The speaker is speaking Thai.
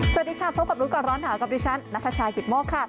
สวัสดีค่ะพบกับรู้ก่อนร้อนหนาวกับดิฉันนัทชายกิตโมกค่ะ